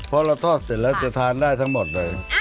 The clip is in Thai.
เพราะเราทอดเสร็จแล้วจะทานได้ทั้งหมดเลย